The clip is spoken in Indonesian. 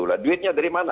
nah duitnya dari mana